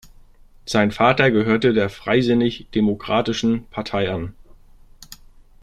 Sein Vater gehörte der Freisinnig-Demokratischen Partei an.